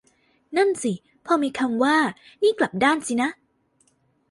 นั่นสิพอมีคำว่า นี่กลับด้านสินะ